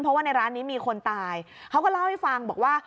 เพราะว่าในร้านนี้มีคนตายเขาก็เล่าให้ฟังบอกว่า